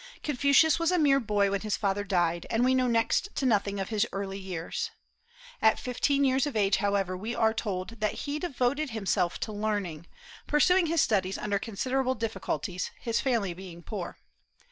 '" Confucius was a mere boy when his father died, and we know next to nothing of his early years. At fifteen years of age, however, we are told that he devoted himself to learning, pursuing his studies under considerable difficulties, his family being poor.